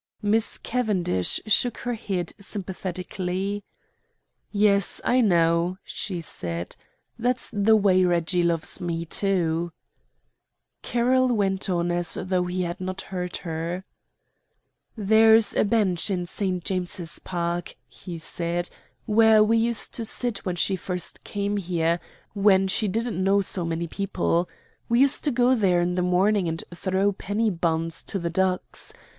Miss Cavendish shook her head sympathetically. "Yes, I know," she said; "that's the way Reggie loves me, too." Carroll went on as though he had not heard her. "There's a bench in St. James's Park," he said, "where we used to sit when she first came here, when she didn't know so many people. We used to go there in the morning and throw penny buns to the ducks.